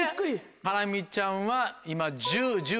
ハラミちゃんは今。